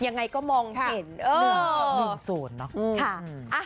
๑๐นะ